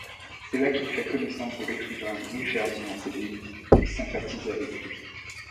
C'est là qu'il fait connaissance de l'écrivain Louis-Ferdinand Céline et sympathise avec lui.